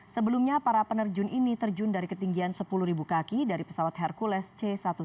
sebelumnya para penerjun ini terjun dari ketinggian sepuluh kaki dari pesawat hercules c satu ratus tujuh puluh